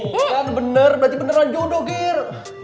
betul kan bener berarti beneran jodoh gir